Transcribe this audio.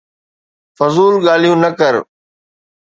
فضول ڳالهيون نه ڪر